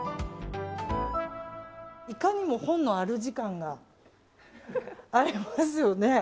いかにも本の主感がありますよね。